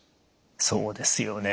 そうですよね。